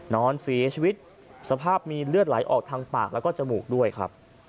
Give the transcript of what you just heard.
นอนเสียชีวิตสภาพมีเลือดไหลออกทางปากแล้วก็จมูกด้วยครับ